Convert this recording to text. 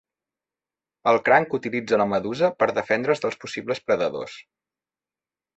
El cranc utilitza la medusa per defendre's dels possibles predadors.